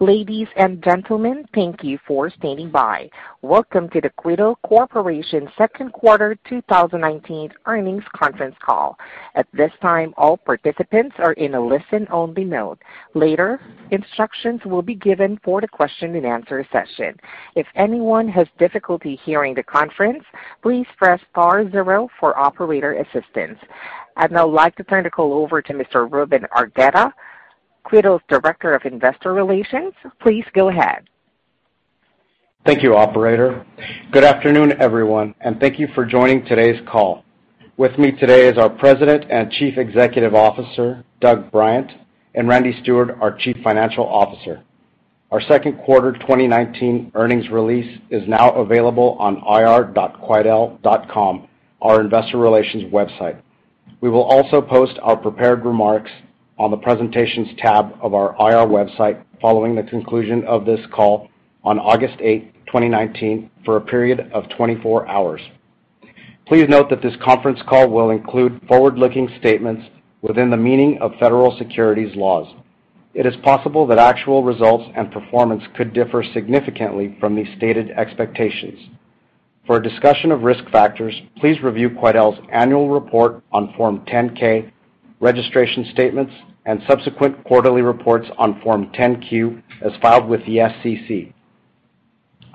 Ladies and gentlemen, thank you for standing by. Welcome to the Quidel Corporation Second Quarter 2019 Earnings Conference Call. At this time, all participants are in a listen-only mode. Later, instructions will be given for the question and answer session. If anyone has difficulty hearing the conference, please press star zero for operator assistance. I'd now like to turn the call over to Mr. Ruben Argueta, Quidel's Director of Investor Relations. Please go ahead. Thank you, operator. Good afternoon, everyone, and thank you for joining today's call. With me today is our President and Chief Executive Officer, Doug Bryant, and Randy Stewart, our Chief Financial Officer. Our second quarter 2019 earnings release is now available on ir.quidel.com, our investor relations website. We will also post our prepared remarks on the presentations tab of our IR website following the conclusion of this call on August eighth, 2019, for a period of 24 hours. Please note that this conference call will include forward-looking statements within the meaning of federal securities laws. It is possible that actual results and performance could differ significantly from these stated expectations. For a discussion of risk factors, please review Quidel's annual report on Form 10-K, registration statements, and subsequent quarterly reports on Form 10-Q as filed with the SEC.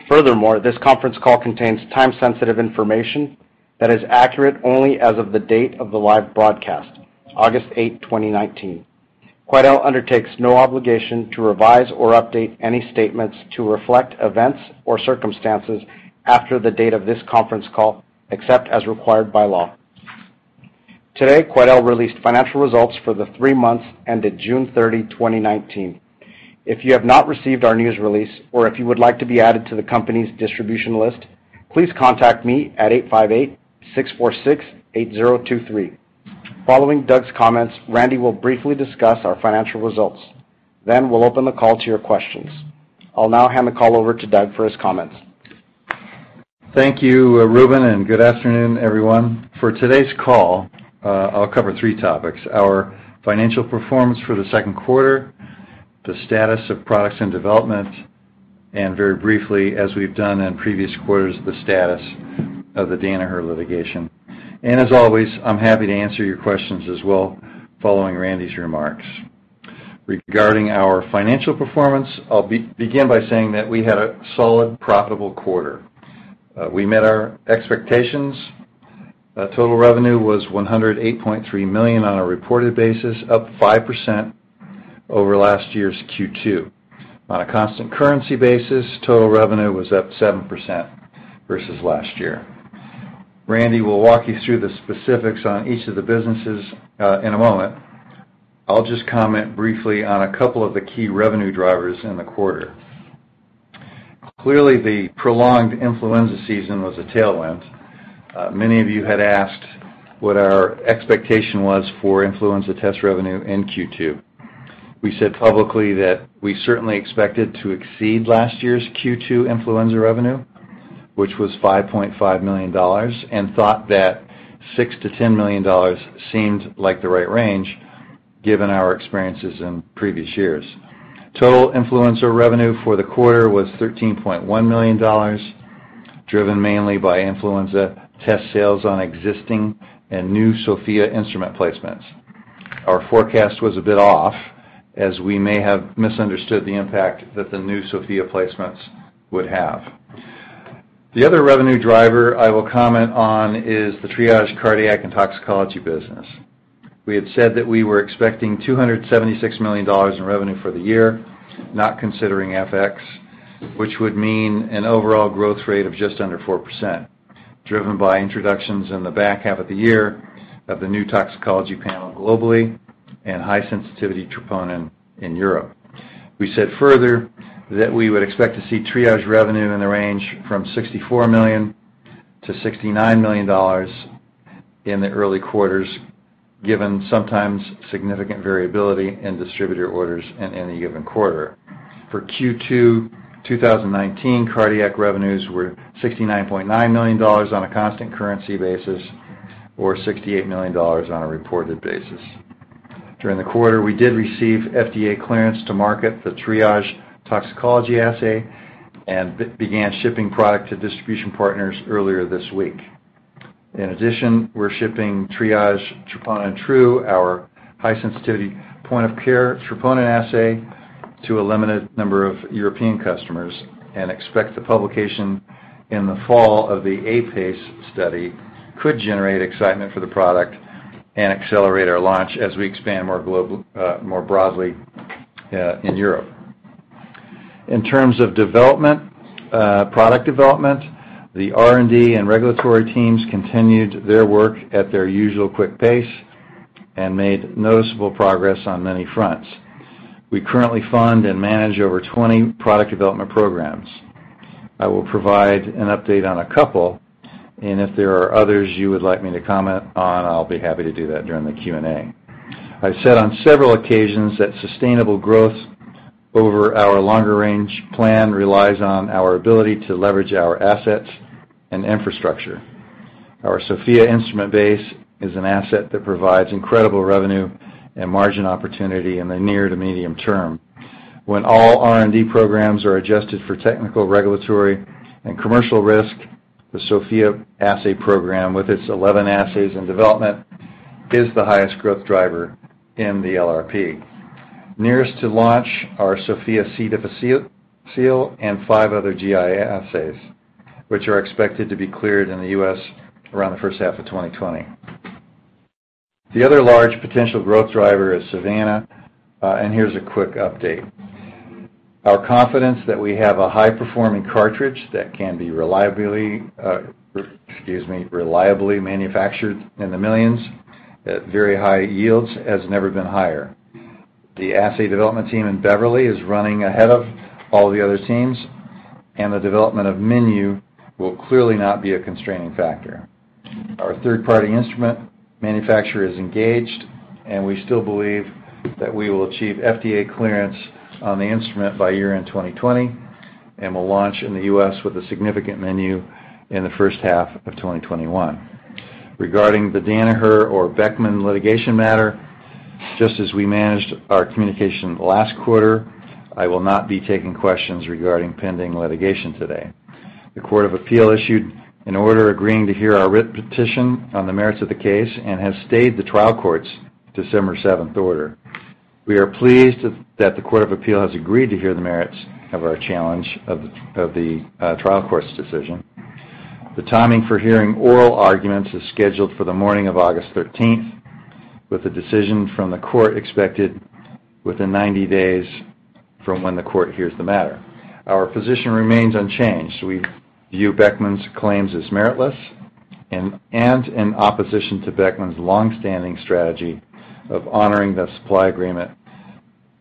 Furthermore, this conference call contains time-sensitive information that is accurate only as of the date of the live broadcast, August eighth, 2019. Quidel undertakes no obligation to revise or update any statements to reflect events or circumstances after the date of this conference call, except as required by law. Today, Quidel released financial results for the three months ended June 30, 2019. If you have not received our news release or if you would like to be added to the company's distribution list, please contact me at 858-646-8023. Following Doug's comments, Randy will briefly discuss our financial results. We'll open the call to your questions. I'll now hand the call over to Doug for his comments. Thank you, Ruben. Good afternoon, everyone. For today's call, I'll cover three topics, our financial performance for the second quarter, the status of products and development, and very briefly, as we've done in previous quarters, the status of the Danaher litigation. As always, I'm happy to answer your questions as well following Randy's remarks. Regarding our financial performance, I'll begin by saying that we had a solid, profitable quarter. We met our expectations. Total revenue was $108.3 million on a reported basis, up 5% over last year's Q2. On a constant currency basis, total revenue was up 7% versus last year. Randy will walk you through the specifics on each of the businesses in a moment. I'll just comment briefly on a couple of the key revenue drivers in the quarter. Clearly, the prolonged influenza season was a tailwind. Many of you had asked what our expectation was for influenza test revenue in Q2. We said publicly that we certainly expected to exceed last year's Q2 influenza revenue, which was $5.5 million, and thought that $6 million-$10 million seemed like the right range given our experiences in previous years. Total influenza revenue for the quarter was $13.1 million, driven mainly by influenza test sales on existing and new Sofia instrument placements. Our forecast was a bit off as we may have misunderstood the impact that the new Sofia placements would have. The other revenue driver I will comment on is the Triage cardiac and toxicology business. We had said that we were expecting $276 million in revenue for the year, not considering FX, which would mean an overall growth rate of just under 4%, driven by introductions in the back half of the year of the new toxicology panel globally and high-sensitivity Troponin I in Europe. We said further that we would expect to see Triage revenue in the range from $64 million-$69 million in the early quarters, given sometimes significant variability in distributor orders in any given quarter. For Q2 2019, cardiac revenues were $69.9 million on a constant currency basis or $68 million on a reported basis. During the quarter, we did receive FDA clearance to market the Triage toxicology assay and began shipping product to distribution partners earlier this week. In addition, we're shipping TriageTrue, our high-sensitivity, point-of-care troponin assay, to a limited number of European customers and expect the publication in the fall of the APACE study could generate excitement for the product and accelerate our launch as we expand more broadly in Europe. In terms of development, product development, the R&D and regulatory teams continued their work at their usual quick pace and made noticeable progress on many fronts. We currently fund and manage over 20 product development programs. I will provide an update on a couple, and if there are others you would like me to comment on, I'll be happy to do that during the Q&A. I've said on several occasions that sustainable growth over our longer-range plan relies on our ability to leverage our assets and infrastructure. Our Sofia instrument base is an asset that provides incredible revenue and margin opportunity in the near to medium term. When all R&D programs are adjusted for technical, regulatory, and commercial risk, the Sofia assay program, with its 11 assays in development, is the highest growth driver in the LRP. Nearest to launch are Sofia C. difficile and five other GI assays, which are expected to be cleared in the U.S. around the first half of 2020. The other large potential growth driver is Savanna, and here's a quick update. Our confidence that we have a high-performing cartridge that can be reliably manufactured in the millions at very high yields has never been higher. The assay development team in Beverly is running ahead of all the other teams, and the development of menu will clearly not be a constraining factor. Our third-party instrument manufacturer is engaged, and we still believe that we will achieve FDA clearance on the instrument by year-end 2020, and will launch in the U.S. with a significant menu in the first half of 2021. Regarding the Danaher or Beckman litigation matter, just as we managed our communication last quarter, I will not be taking questions regarding pending litigation today. The Court of Appeal issued an order agreeing to hear our writ petition on the merits of the case and has stayed the trial court's December 7th order. We are pleased that the Court of Appeal has agreed to hear the merits of our challenge of the trial court's decision. The timing for hearing oral arguments is scheduled for the morning of August 13th, with a decision from the court expected within 90 days from when the court hears the matter. Our position remains unchanged. We view Beckman's claims as meritless and in opposition to Beckman's long-standing strategy of honoring the supply agreement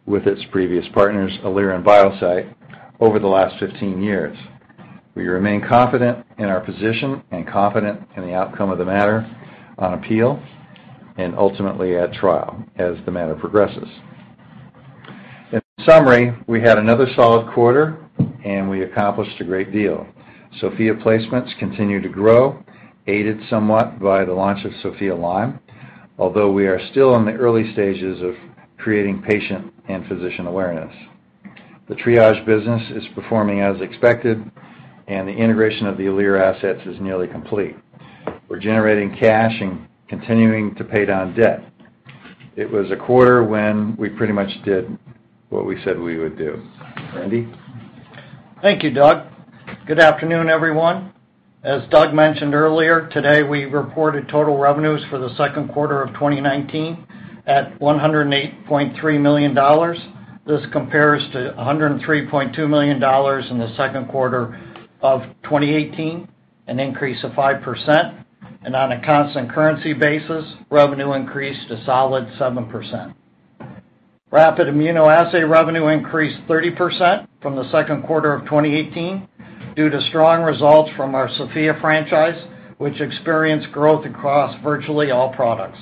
with its previous partners, Alere and Biosite, over the last 15 years. We remain confident in our position and confident in the outcome of the matter on appeal and ultimately at trial as the matter progresses. In summary, we had another solid quarter, and we accomplished a great deal. Sofia placements continue to grow, aided somewhat by the launch of Sofia Lyme, although we are still in the early stages of creating patient and physician awareness. The Triage business is performing as expected, and the integration of the Alere assets is nearly complete. We're generating cash and continuing to pay down debt. It was a quarter when we pretty much did what we said we would do. Randy? Thank you, Doug. Good afternoon, everyone. As Doug mentioned earlier, today, we reported total revenues for the second quarter of 2019 at $108.3 million. This compares to $103.2 million in the second quarter of 2018, an increase of 5%, on a constant currency basis, revenue increased a solid 7%. Rapid immunoassay revenue increased 30% from the second quarter of 2018 due to strong results from our Sofia franchise, which experienced growth across virtually all products.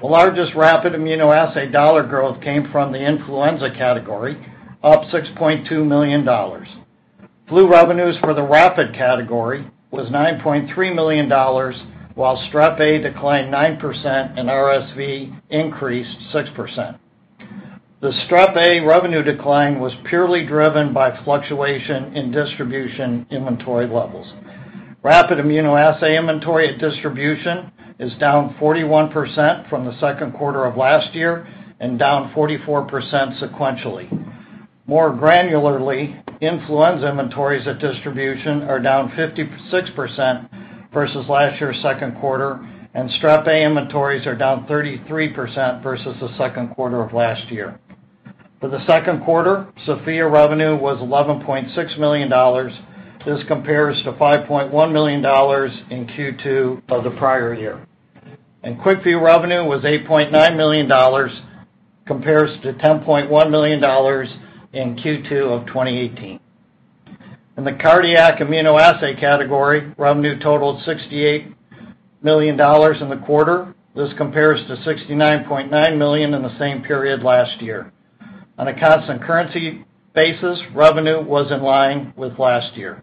The largest rapid immunoassay dollar growth came from the influenza category, up $6.2 million. Flu revenues for the rapid category was $9.3 million, while Strep A declined 9% and RSV increased 6%. The Strep A revenue decline was purely driven by fluctuation in distribution inventory levels. Rapid immunoassay inventory at distribution is down 41% from the second quarter of last year and down 44% sequentially. More granularly, influenza inventories at distribution are down 56% versus last year's second quarter, and Strep A inventories are down 33% versus the second quarter of last year. For the second quarter, Sofia revenue was $11.6 million. This compares to $5.1 million in Q2 of the prior year. QuickVue revenue was $8.9 million, compares to $10.1 million in Q2 of 2018. In the cardiac immunoassay category, revenue totaled $68 million in the quarter. This compares to $69.9 million in the same period last year. On a constant currency basis, revenue was in line with last year.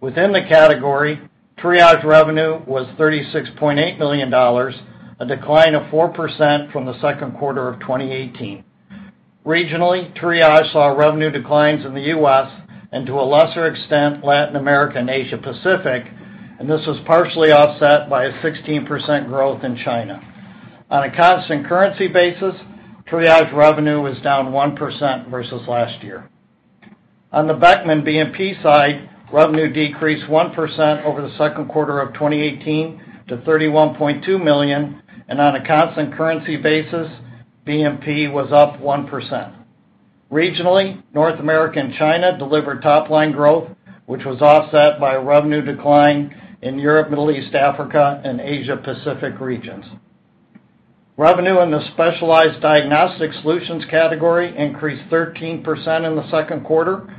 Within the category, Triage revenue was $36.8 million, a decline of 4% from the second quarter of 2018. Regionally, Triage saw revenue declines in the U.S. and, to a lesser extent, Latin America and Asia Pacific, and this was partially offset by a 16% growth in China. On a constant currency basis, Triage revenue was down 1% versus last year. On the Beckman BMP side, revenue decreased 1% over the second quarter of 2018 to $31.2 million, and on a constant currency basis, BMP was up 1%. Regionally, North America and China delivered top-line growth, which was offset by revenue decline in Europe, Middle East, Africa, and Asia Pacific regions. Revenue in the specialized diagnostic solutions category increased 13% in the second quarter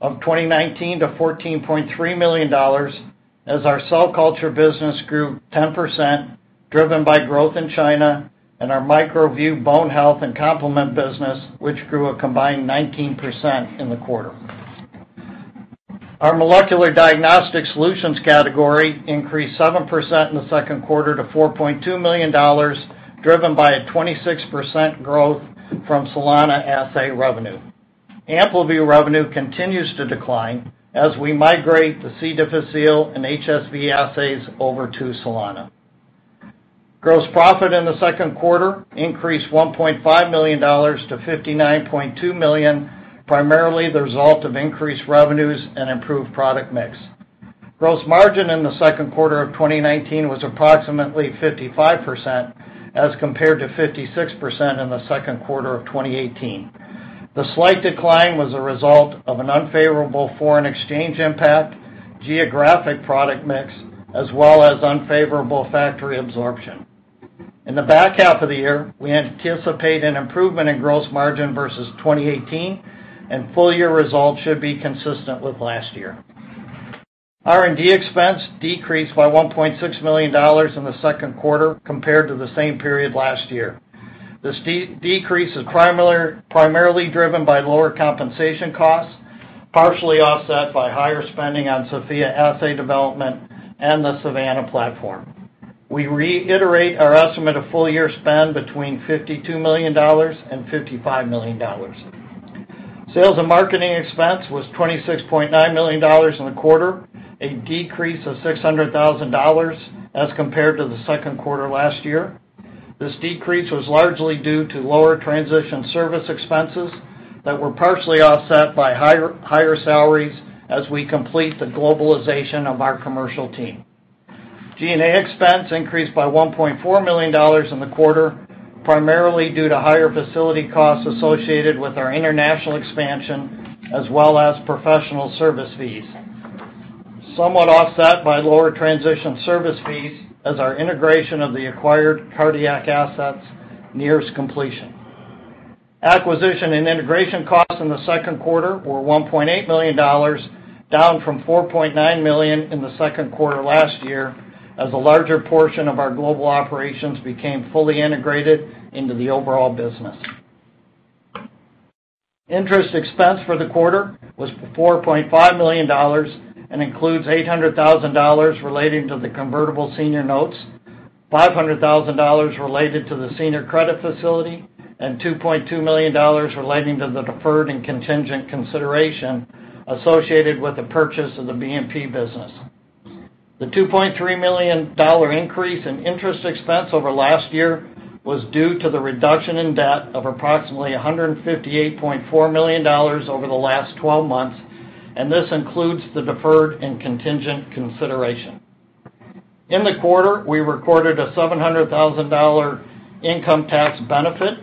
of 2019 to $14.3 million as our cell culture business grew 10%, driven by growth in China and our MicroVue bone health and complement business, which grew a combined 19% in the quarter. Our molecular diagnostic solutions category increased 7% in the second quarter to $4.2 million, driven by a 26% growth from Solana assay revenue. AmpliVue revenue continues to decline as we migrate the C. difficile and HSV assays over to Solana. Gross profit in the second quarter increased $1.5 million to $59.2 million, primarily the result of increased revenues and improved product mix. Gross margin in the second quarter of 2019 was approximately 55%, as compared to 56% in the second quarter of 2018. The slight decline was a result of an unfavorable foreign exchange impact, geographic product mix, as well as unfavorable factory absorption. In the back half of the year, we anticipate an improvement in gross margin versus 2018, and full-year results should be consistent with last year. R&D expense decreased by $1.6 million in the second quarter compared to the same period last year. This decrease is primarily driven by lower compensation costs, partially offset by higher spending on Sofia assay development and the Savanna platform. We reiterate our estimate of full-year spend between $52 million and $55 million. Sales and marketing expense was $26.9 million in the quarter, a decrease of $600,000 as compared to the second quarter last year. This decrease was largely due to lower transition service expenses that were partially offset by higher salaries as we complete the globalization of our commercial team. G&A expense increased by $1.4 million in the quarter, primarily due to higher facility costs associated with our international expansion, as well as professional service fees, somewhat offset by lower transition service fees as our integration of the acquired cardiac assets nears completion. Acquisition and integration costs in the second quarter were $1.8 million, down from $4.9 million in the second quarter last year, as a larger portion of our global operations became fully integrated into the overall business. Interest expense for the quarter was $4.5 million and includes $800,000 relating to the convertible senior notes, $500,000 related to the senior credit facility, and $2.2 million relating to the deferred and contingent consideration associated with the purchase of the BMP business. The $2.3 million increase in interest expense over last year was due to the reduction in debt of approximately $158.4 million over the last 12 months, and this includes the deferred and contingent consideration. In the quarter, we recorded a $700,000 income tax benefit.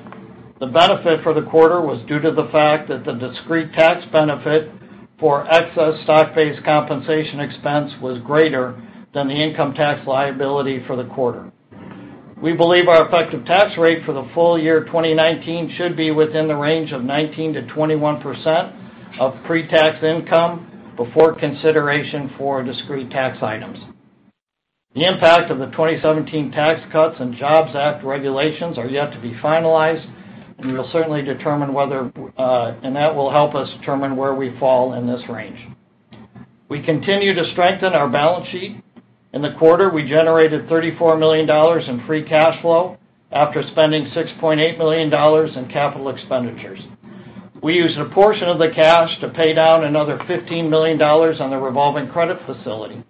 The benefit for the quarter was due to the fact that the discrete tax benefit for excess stock-based compensation expense was greater than the income tax liability for the quarter. We believe our effective tax rate for the full year 2019 should be within the range of 19%-21% of pre-tax income before consideration for discrete tax items. The impact of the 2017 Tax Cuts and Jobs Act regulations are yet to be finalized. That will help us determine where we fall in this range. We continue to strengthen our balance sheet. In the quarter, we generated $34 million in free cash flow after spending $6.8 million in capital expenditures. We used a portion of the cash to pay down another $15 million on the revolving credit facility.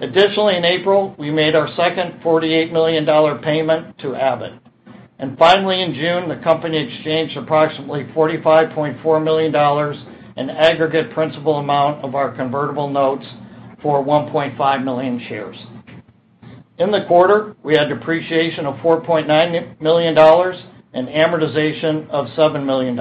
Additionally, in April, we made our second $48 million payment to Abbott. Finally, in June, the company exchanged approximately $45.4 million in aggregate principal amount of our convertible notes for 1.5 million shares. In the quarter, we had depreciation of $4.9 million and amortization of $7 million.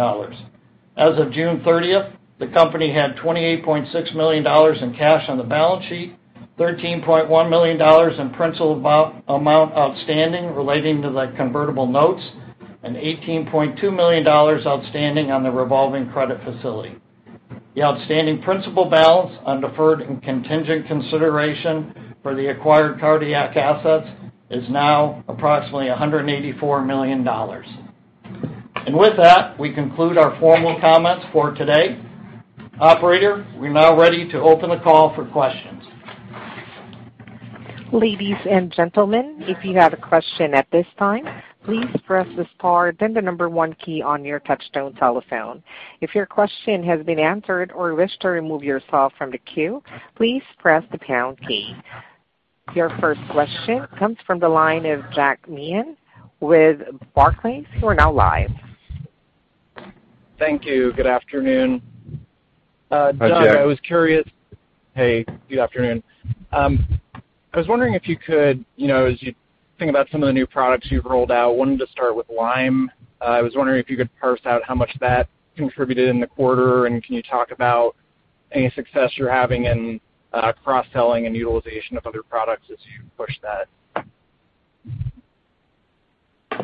As of June 30th, the company had $28.6 million in cash on the balance sheet, $13.1 million in principal amount outstanding relating to the convertible notes, and $18.2 million outstanding on the revolving credit facility. The outstanding principal balance on deferred and contingent consideration for the acquired cardiac assets is now approximately $184 million. With that, we conclude our formal comments for today. Operator, we're now ready to open the call for questions. Ladies and gentlemen, if you have a question at this time, please press the star, then the number 1 key on your touchtone telephone. If your question has been answered or you wish to remove yourself from the queue, please press the pound key. Your first question comes from the line of Jack Meehan with Barclays. We're now live. Thank you. Good afternoon. Hi, Jack. Doug, I was curious. Hey, good afternoon. I was wondering if you could, as you think about some of the new products you've rolled out, wanted to start with Lyme. I was wondering if you could parse out how much that contributed in the quarter, and can you talk about any success you're having in cross-selling and utilization of other products as you push that?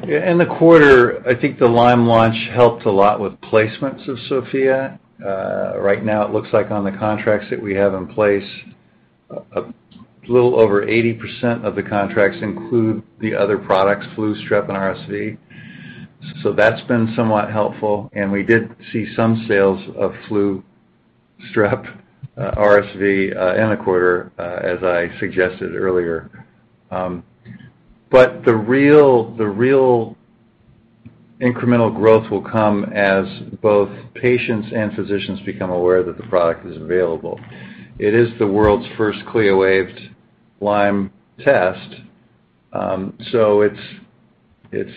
In the quarter, I think the Lyme launch helped a lot with placements of Sofia. Right now, it looks like on the contracts that we have in place A little over 80% of the contracts include the other products, flu, Strep, and RSV. That's been somewhat helpful, and we did see some sales of flu, Strep, RSV in a quarter, as I suggested earlier. The real incremental growth will come as both patients and physicians become aware that the product is available. It is the world's first CLIA-waived Lyme test. It's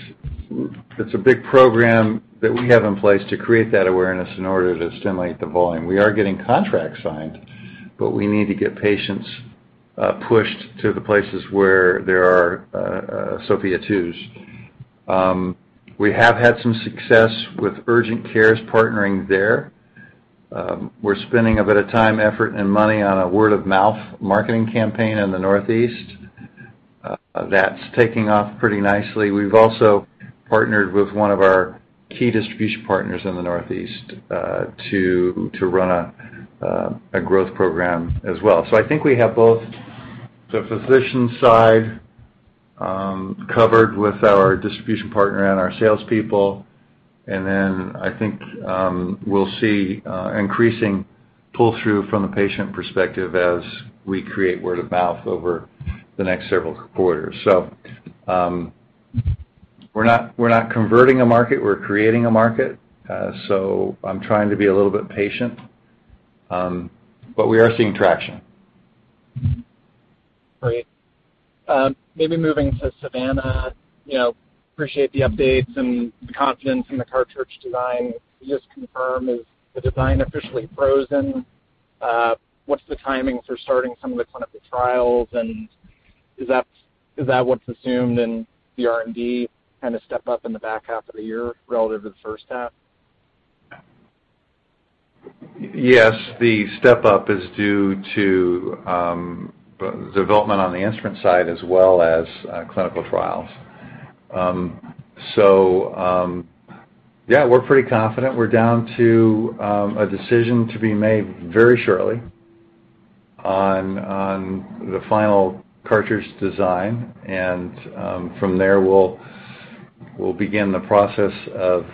a big program that we have in place to create that awareness in order to stimulate the volume. We are getting contracts signed, but we need to get patients pushed to the places where there are Sofia 2s. We have had some success with urgent cares partnering there. We're spending a bit of time, effort, and money on a word-of-mouth marketing campaign in the Northeast. That's taking off pretty nicely. We've also partnered with one of our key distribution partners in the Northeast, to run a growth program as well. I think we have both the physician side covered with our distribution partner and our salespeople. I think we'll see increasing pull-through from the patient perspective as we create word of mouth over the next several quarters. We're not converting a market, we're creating a market. I'm trying to be a little bit patient, but we are seeing traction. Great. Maybe moving to Savanna. Appreciate the updates and the confidence in the cartridge design. Can you just confirm, is the design officially frozen? What's the timing for starting some of the clinical trials, and is that what's assumed in the R&D step-up in the back half of the year relative to the first half? Yes, the step-up is due to development on the instrument side as well as clinical trials. Yeah, we're pretty confident. We're down to a decision to be made very shortly on the final cartridge design. From there, we'll begin the process of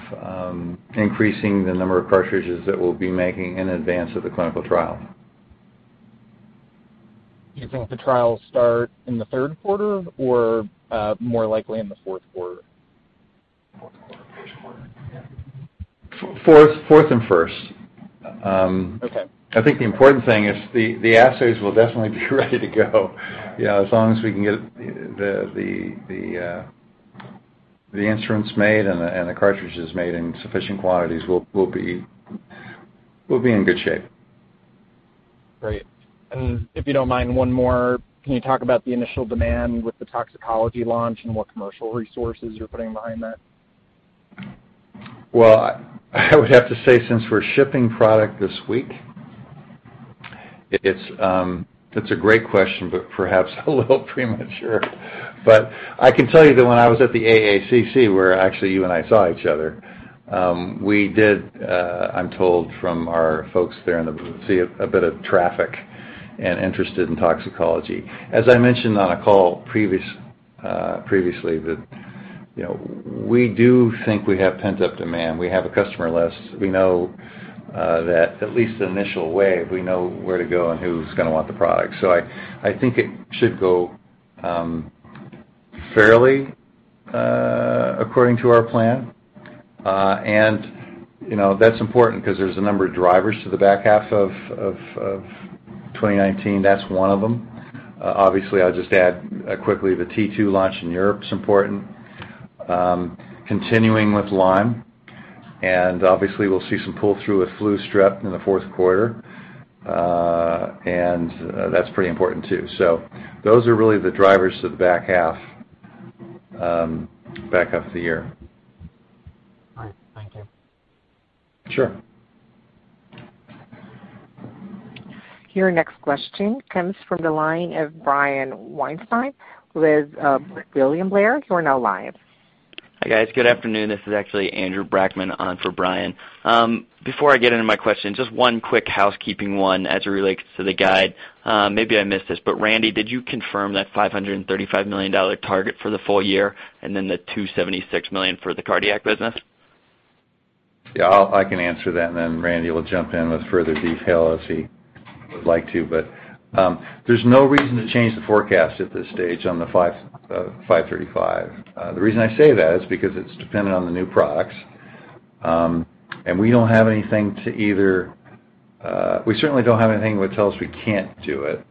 increasing the number of cartridges that we'll be making in advance of the clinical trial. Do you think the trial start in the third quarter or more likely in the fourth quarter? Fourth quarter. First quarter. Yeah. Fourth and first. Okay. I think the important thing is the assays will definitely be ready to go. As long as we can get the instruments made and the cartridges made in sufficient quantities, we'll be in good shape. Great. If you don't mind, one more. Can you talk about the initial demand with the toxicology launch and what commercial resources you're putting behind that? Well, I would have to say, since we're shipping product this week, it's a great question, but perhaps a little premature. I can tell you that when I was at the AACC, where actually you and I saw each other, we did, I'm told from our folks there in the booth, see a bit of traffic and interest in toxicology. As I mentioned on a call previously, that we do think we have pent-up demand. We have a customer list. We know that at least the initial wave, we know where to go, and who's going to want the product. I think it should go fairly according to our plan. That's important because there's a number of drivers to the back half of 2019. That's one of them. Obviously, I'll just add quickly, the T2 launch in Europe is important. Continuing with Lyme, obviously we'll see some pull-through with flu Strep in the fourth quarter. That's pretty important, too. Those are really the drivers to the back half of the year. All right. Thank you. Sure. Your next question comes from the line of Brian Weinstein with William Blair. You are now live. Hi, guys. Good afternoon. This is actually Andrew Brackmann on for Brian. Before I get into my question, just one quick housekeeping one as it relates to the guide. Maybe I missed this, but Randy, did you confirm that $535 million target for the full year and then the $276 million for the cardiac business? Yeah, I can answer that, and then Randy will jump in with further detail as he would like to. There's no reason to change the forecast at this stage on the 535. The reason I say that is because it's dependent on the new products, we certainly don't have anything that would tell us we can't do it.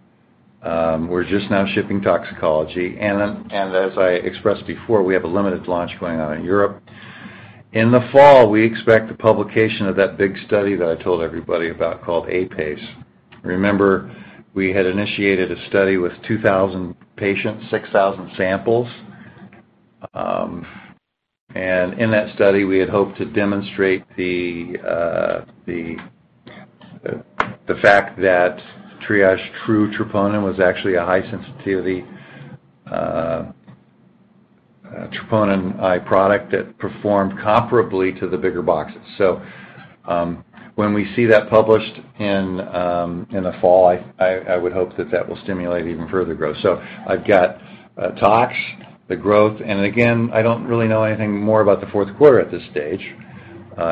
We're just now shipping toxicology. As I expressed before, we have a limited launch going on in Europe. In the fall, we expect the publication of that big study that I told everybody about called APAS. Remember, we had initiated a study with 2,000 patients, 6,000 samples. In that study, we had hoped to demonstrate the fact that TriageTrue troponin was actually a high sensitivity-Troponin I product that performed comparably to the bigger boxes. When we see that published in the fall, I would hope that that will stimulate even further growth. I've got tox, the growth, and again, I don't really know anything more about the fourth quarter at this stage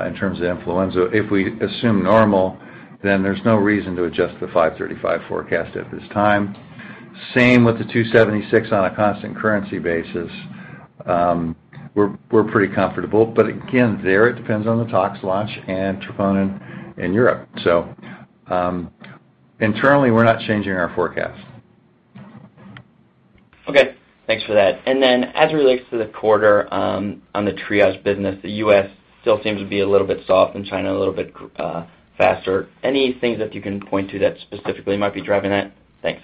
in terms of influenza. If we assume normal, there's no reason to adjust the $535 forecast at this time. Same with the $276 on a constant currency basis. We're pretty comfortable, but again, there it depends on the tox launch and troponin in Europe. Internally, we're not changing our forecast. Okay. Thanks for that. As it relates to the quarter on the Triage business, the U.S. still seems to be a little bit soft and China a little bit faster. Any things that you can point to that specifically might be driving that? Thanks.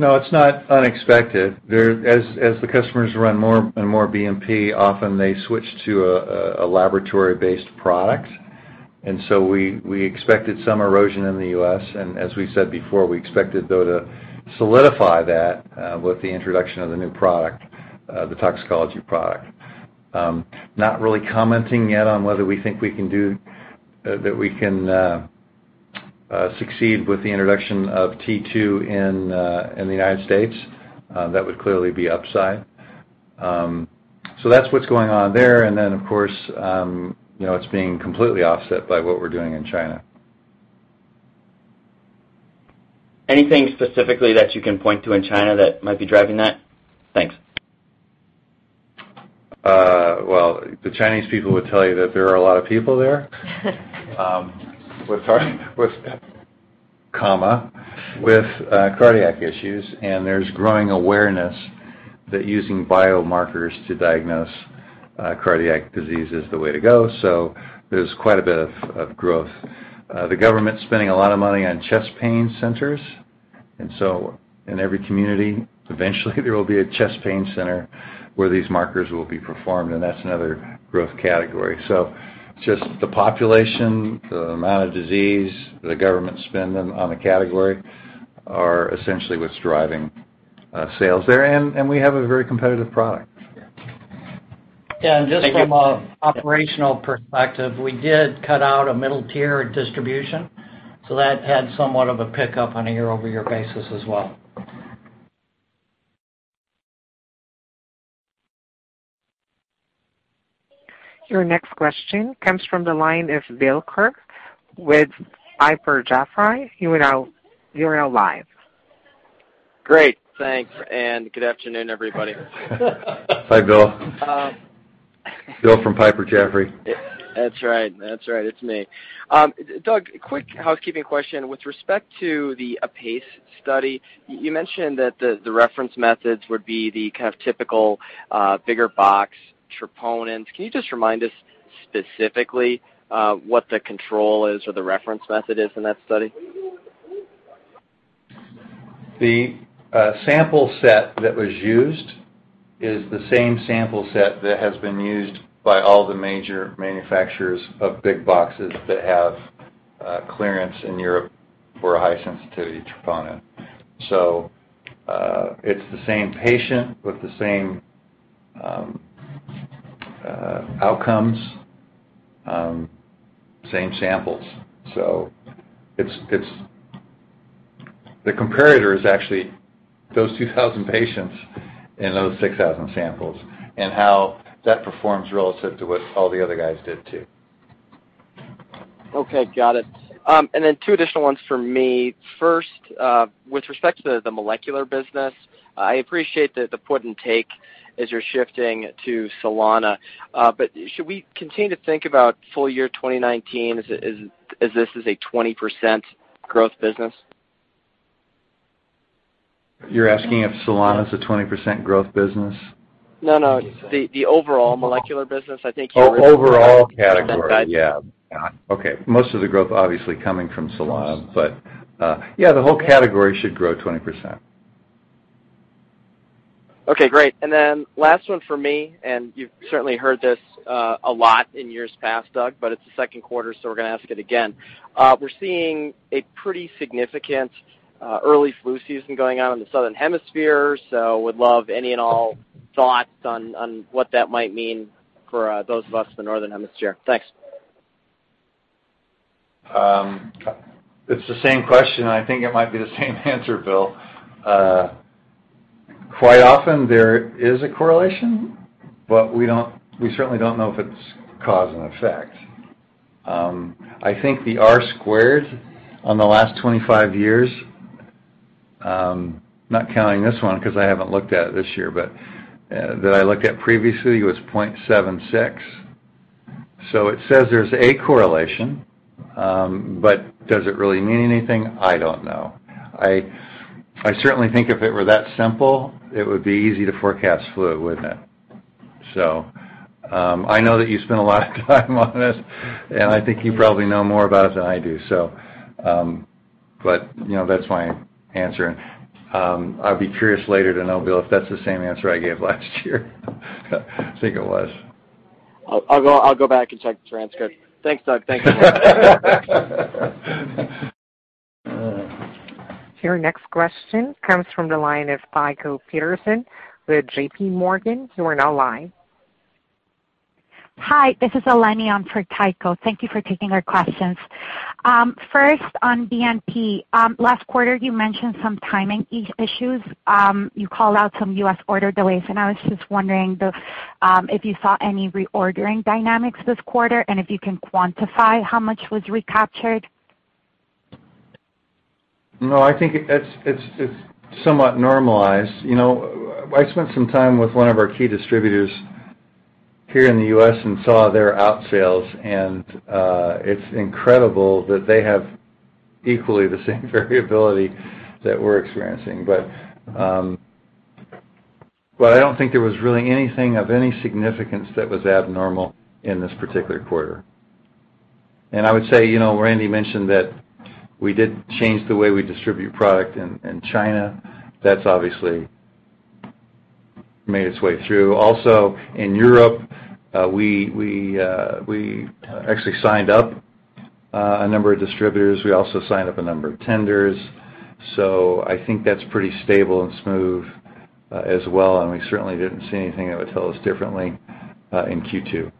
No, it's not unexpected. As the customers run more and more BMP, often they switch to a laboratory-based product. We expected some erosion in the U.S., and as we said before, we expected, though, to solidify that with the introduction of the new product, the toxicology product. Not really commenting yet on whether we think we can succeed with the introduction of T2 in the United States. That would clearly be upside. That's what's going on there, and then, of course, it's being completely offset by what we're doing in China. Anything specifically that you can point to in China that might be driving that? Thanks. The Chinese people would tell you that there are a lot of people there with cardiac issues, and there's growing awareness that using biomarkers to diagnose cardiac disease is the way to go. There's quite a bit of growth. The government's spending a lot of money on chest pain centers, and so in every community, eventually there will be a chest pain center where these markers will be performed, and that's another growth category. Just the population, the amount of disease, the government spending on the category are essentially what's driving sales there. We have a very competitive product. Thank you. Yeah, and just from an operational perspective, we did cut out a middle tier at distribution. That had somewhat of a pickup on a year-over-year basis as well. Your next question comes from the line of Bill Quirk with Piper Jaffray. You are now live. Great. Thanks, and good afternoon, everybody. Hi, Bill. Bill from Piper Jaffray. That's right. It's me. Doug, quick housekeeping question. With respect to the APACE study, you mentioned that the reference methods would be the kind of typical bigger box troponins. Can you just remind us specifically what the control is or the reference method is in that study? The sample set that was used is the same sample set that has been used by all the major manufacturers of big boxes that have clearance in Europe for high-sensitivity troponin. It's the same patient with the same outcomes, same samples. The comparator is actually those 2,000 patients and those 6,000 samples and how that performs relative to what all the other guys did, too. Okay. Got it. Two additional ones from me. First, with respect to the molecular business, I appreciate that the put and take as you're shifting to Solana. Should we continue to think about full year 2019 as this is a 20% growth business? You're asking if Solana is a 20% growth business? No, no. The overall molecular business, I think. Oh, overall category. Yeah. Okay. Most of the growth obviously coming from Solana, but yeah, the whole category should grow 20%. Okay, great. Last one for me, you've certainly heard this a lot in years past, Doug, it's the second quarter, we're going to ask it again. We're seeing a pretty significant early flu season going on in the Southern Hemisphere, would love any and all thoughts on what that might mean for those of us in the Northern Hemisphere. Thanks. It's the same question, I think it might be the same answer, Bill. Quite often there is a correlation, but we certainly don't know if it's cause and effect. I think the R squared on the last 25 years, not counting this one because I haven't looked at it this year, but that I looked at previously, was 0.76. It says there's a correlation, but does it really mean anything? I don't know. I certainly think if it were that simple, it would be easy to forecast flu, wouldn't it? I know that you spend a lot of time on this and I think you probably know more about it than I do. That's my answer. I'll be curious later to know, Bill, if that's the same answer I gave last year. I think it was. I'll go back and check the transcript. Thanks, Doug. Thank you, Randy. Your next question comes from the line of Tycho Peterson with JPMorgan. You are now live. Hi, this is Eleni on for Tycho. Thank you for taking our questions. First, on BNP. Last quarter you mentioned some timing issues. You called out some U.S. order delays, and I was just wondering if you saw any reordering dynamics this quarter, and if you can quantify how much was recaptured. No, I think it's somewhat normalized. I spent some time with one of our key distributors here in the U.S. and saw their out sales, and it's incredible that they have equally the same variability that we're experiencing. I don't think there was really anything of any significance that was abnormal in this particular quarter. I would say, Randy mentioned that we did change the way we distribute product in China. That's obviously made its way through. In Europe, we actually signed up a number of distributors. We also signed up a number of tenders. I think that's pretty stable and smooth as well, and we certainly didn't see anything that would tell us differently in Q2.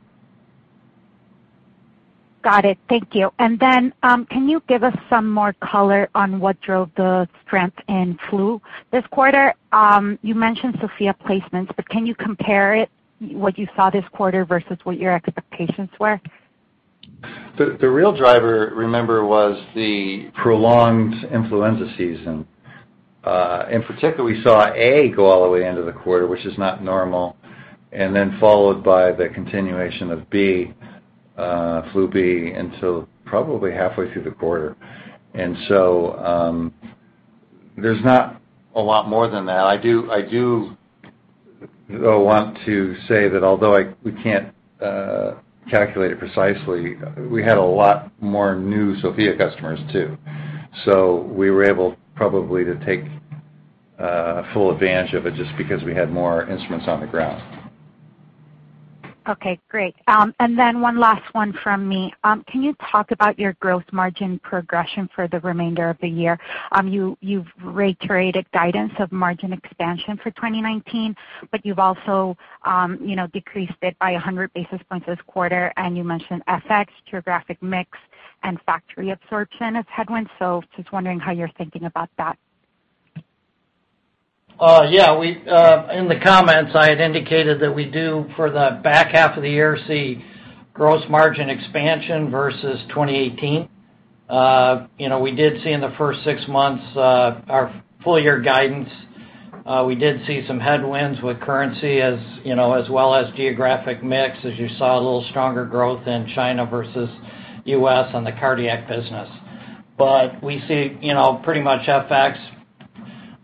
Got it. Thank you. Can you give us some more color on what drove the strength in flu this quarter? You mentioned Sofia placements, but can you compare it, what you saw this quarter versus what your expectations were? The real driver, remember, was the prolonged influenza season. In particular, we saw A go all the way into the quarter, which is not normal, and then followed by the continuation of B, flu B, until probably halfway through the quarter. There's not a lot more than that. I do, though, want to say that although we can't calculate it precisely, we had a lot more new Sofia customers, too. We were able probably to take full advantage of it just because we had more instruments on the ground. Okay, great. One last one from me. Can you talk about your gross margin progression for the remainder of the year? You've reiterated guidance of margin expansion for 2019, you've also decreased it by 100 basis points this quarter, you mentioned FX, geographic mix, and factory absorption as headwinds. Just wondering how you're thinking about that. Yeah. In the comments, I had indicated that we do, for the back half of the year, see gross margin expansion versus 2018. We did see in the first six months our full-year guidance. We did see some headwinds with currency, as well as geographic mix, as you saw a little stronger growth in China versus U.S. on the cardiac business. We see pretty much FX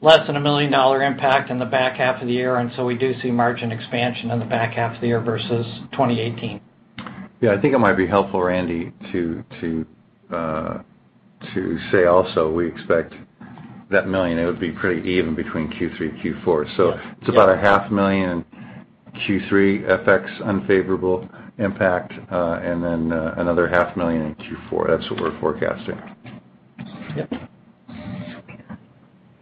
less than a $1 million impact in the back half of the year, and so we do see margin expansion in the back half of the year versus 2018. Yeah. I think it might be helpful, Randy, to say also we expect that million, it would be pretty even between Q3 and Q4. It's about a half million in Q3 FX unfavorable impact, and then another half million in Q4. That's what we're forecasting. Yep.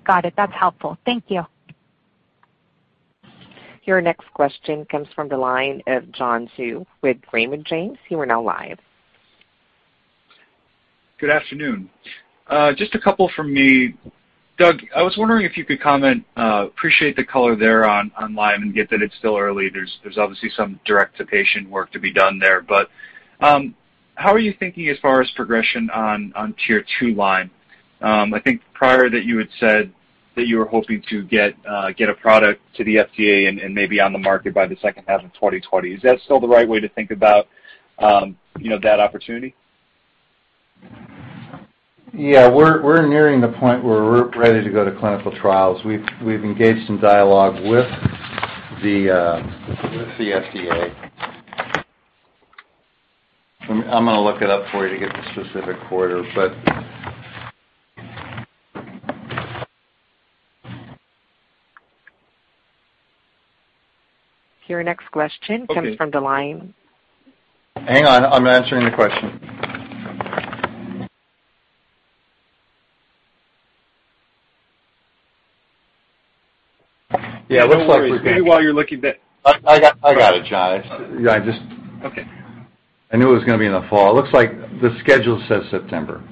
Got it. That's helpful. Thank you. Your next question comes from the line of John Hsu with Raymond James. You are now live. Good afternoon. Just a couple from me. Doug, I was wondering if you could comment, appreciate the color there on Lyme and get that it's still early. There's obviously some direct-to-patient work to be done there. How are you thinking as far as progression on two-tiered Lyme? I think prior that you had said that you were hoping to get a product to the FDA and maybe on the market by the second half of 2020. Is that still the right way to think about that opportunity? Yeah. We're nearing the point where we're ready to go to clinical trials. We've engaged in dialogue with the FDA. I'm going to look it up for you to get the specific quarter. Your next question comes from the line. Hang on, I'm answering the question. Yeah, looks like we're good. No worries. Maybe while you're looking. I got it, John. Okay. I knew it was going to be in the fall. Looks like the schedule says September.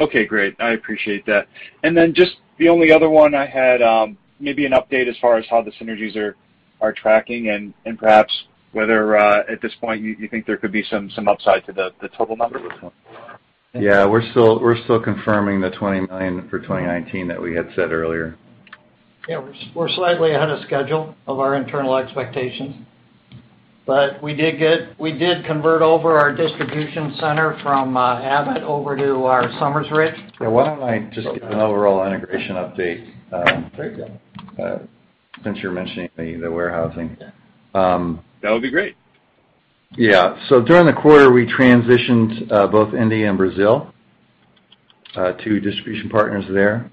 Okay, great. I appreciate that. Just the only other one I had, maybe an update as far as how the synergies are tracking and perhaps whether at this point you think there could be some upside to the total number? Yeah, we're still confirming the $20 million for 2019 that we had said earlier. Yeah, we're slightly ahead of schedule of our internal expectations. We did convert over our distribution center from Abbott over to our Somers Road. Yeah, why don't I just give an overall integration update. There you go. since you're mentioning the warehousing. That would be great. Yeah. During the quarter, we transitioned both India and Brazil to distribution partners there.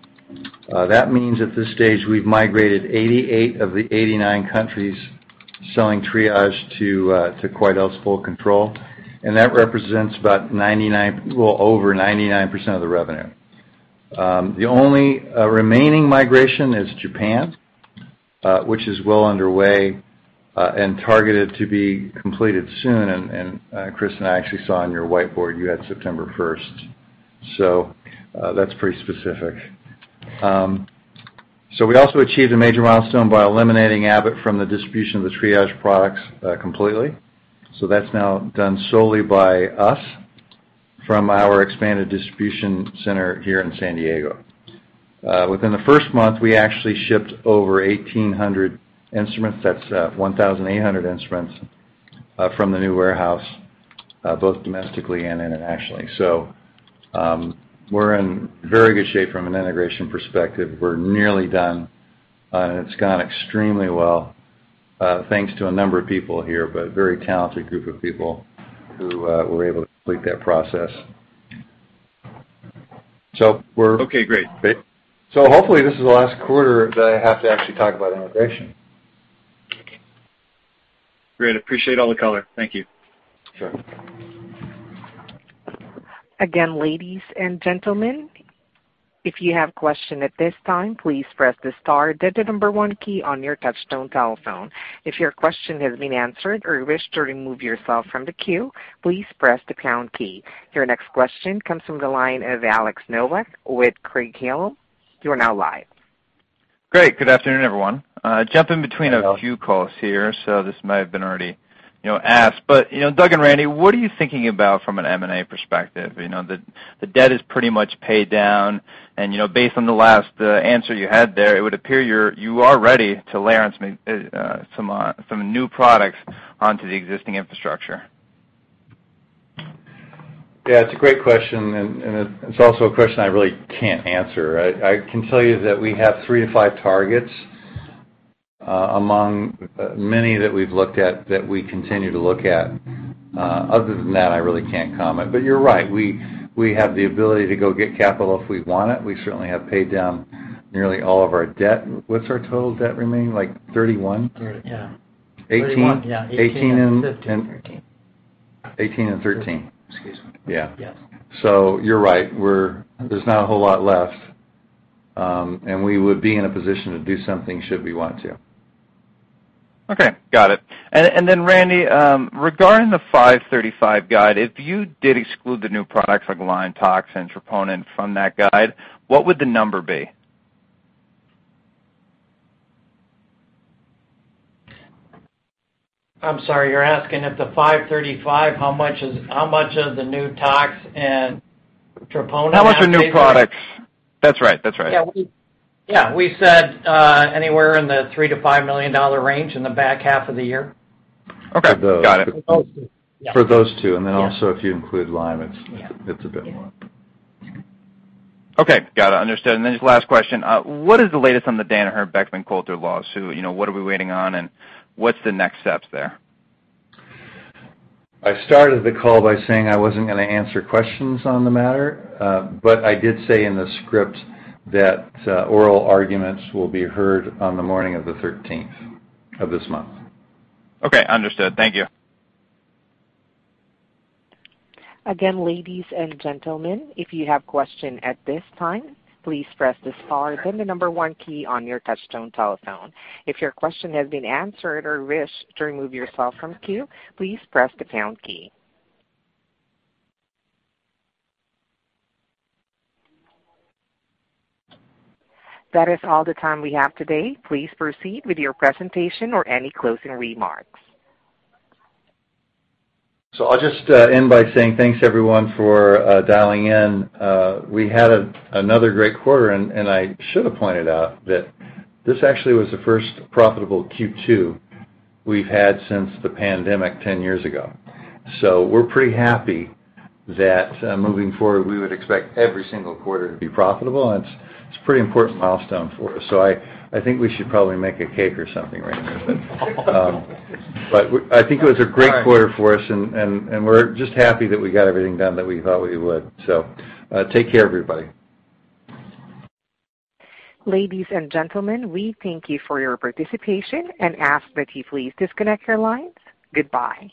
That means at this stage, we've migrated 88 of the 89 countries selling Triage to Quidel's full control, and that represents well over 99% of the revenue. The only remaining migration is Japan, which is well underway and targeted to be completed soon, and Chris and I actually saw on your whiteboard, you had September 1st. That's pretty specific. We also achieved a major milestone by eliminating Abbott from the distribution of the Triage products completely. That's now done solely by us from our expanded distribution center here in San Diego. Within the first month, we actually shipped over 1,800 instruments from the new warehouse, both domestically and internationally. We're in very good shape from an integration perspective. We're nearly done, and it's gone extremely well thanks to a number of people here, but a very talented group of people who were able to complete that process. Okay, great. Hopefully this is the last quarter that I have to actually talk about integration. Great. Appreciate all the color. Thank you. Sure. Again, ladies and gentlemen, if you have a question at this time, please press the star then the number 1 key on your touch tone telephone. If your question has been answered or you wish to remove yourself from the queue, please press the pound key. Your next question comes from the line of Alex Nowak with Craig-Hallum. You are now live. Great. Good afternoon, everyone. Hello A few calls here, this may have been already asked, but Doug and Randy, what are you thinking about from an M&A perspective? The debt is pretty much paid down and, based on the last answer you had there, it would appear you are ready to layer on some new products onto the existing infrastructure. Yeah, it's a great question, and it's also a question I really can't answer. I can tell you that we have three to five targets among many that we've looked at, that we continue to look at. Other than that, I really can't comment. You're right, we have the ability to go get capital if we want it. We certainly have paid down nearly all of our debt. What's our total debt remaining, like $31? Yeah. 18 31, yeah. 18 and 15. 18 and 13. Excuse me. Yeah. Yes. You're right. There's not a whole lot left, and we would be in a position to do something should we want to. Okay. Got it. Then Randy, regarding the $535 guide, if you did exclude the new products like Lyme and troponin from that guide, what would the number be? I'm sorry, you're asking of the 535, how much of the new tox and troponin- How much are new products? That's right. Yeah. We said, anywhere in the $3 million-$5 million range in the back half of the year. Okay. Got it. For those two. Yes. For those two, then also if you include Lyme, it's a bit more. Yeah. Okay. Got it. Understood. Just last question, what is the latest on the Danaher Beckman Coulter lawsuit? What are we waiting on, and what's the next steps there? I started the call by saying I wasn't going to answer questions on the matter, but I did say in the script that oral arguments will be heard on the morning of the 13th of this month. Okay, understood. Thank you. Again, ladies and gentlemen, if you have a question at this time, please press the star then the number one key on your touch tone telephone. If your question has been answered or you wish to remove yourself from the queue, please press the pound key. That is all the time we have today. Please proceed with your presentation or any closing remarks. I'll just end by saying thanks everyone for dialing in. We had another great quarter, and I should have pointed out that this actually was the first profitable Q2 we've had since the pandemic 10 years ago. We're pretty happy that moving forward, we would expect every single quarter to be profitable, and it's a pretty important milestone for us. I think we should probably make a cake or something, Randy. I think it was a great quarter for us, and we're just happy that we got everything done that we thought we would. Take care, everybody. Ladies and gentlemen, we thank you for your participation and ask that you please disconnect your lines. Goodbye.